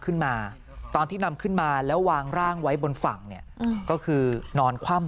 ขึ้นมาตอนที่นำขึ้นมาแล้ววางร่างไว้บนฝั่งเนี่ยก็คือนอนคว่ำ